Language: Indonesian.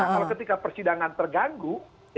kalau ketika persidangan terganggu